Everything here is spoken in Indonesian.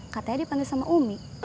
katanya dipanggil sama umi